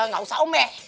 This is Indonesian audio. gak usah omeh